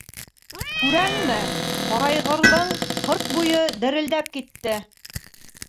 Күрәңме, һарайғырҙың һырт буйы дерелдәп китте.